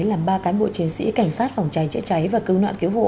làm ba cán bộ chiến sĩ cảnh sát phòng cháy chữa cháy và cứu nạn cứu hộ